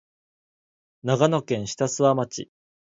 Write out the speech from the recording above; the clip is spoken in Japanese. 長野県下諏訪町